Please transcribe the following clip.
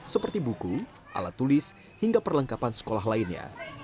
seperti buku alat tulis hingga perlengkapan sekolah lainnya